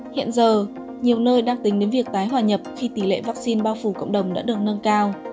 hiện giờ nhiều nơi đang tính đến việc tái hòa nhập khi tỷ lệ vaccine bao phủ cộng đồng đã được nâng cao